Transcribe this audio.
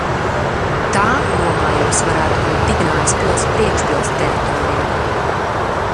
Tā, domājams, varētu būt Dignājas pils priekšpils teritorija.